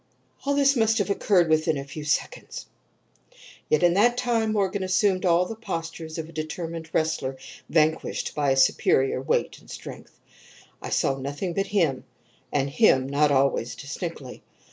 "All this must have occurred within a few seconds, yet in that time Morgan assumed all the postures of a determined wrestler vanquished by superior weight and strength. I saw nothing but him, and him not always distinctly.